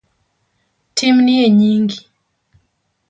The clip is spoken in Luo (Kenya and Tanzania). Timnie nyingi